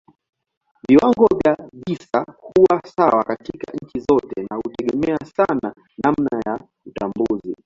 Viwango vya visa huwa sawa katika nchi zote na hutegemea sana namna ya utambuzi.